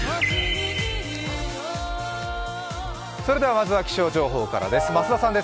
まずは気象情報からです。